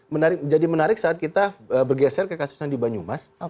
menarik jadi menarik saat kita bergeser ke kasus yang di banyumas